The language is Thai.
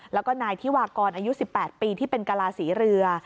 แล้วก็นายธิวากรอายุ๑๘ปีที่เป็นกลาศรีเรือ